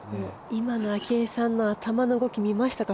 今の明愛さんの頭の動き見ましたか？